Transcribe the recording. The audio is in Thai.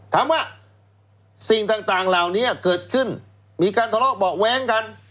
ถามว่าสิ่งต่างเหล่านี้เกิดขึ้นมีการทะเลาะเบาะแว้งกัน